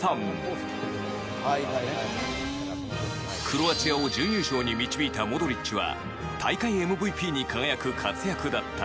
クロアチアを準優勝に導いたモドリッチは大会ＭＶＰに輝く活躍だった。